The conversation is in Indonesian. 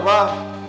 ya benar pak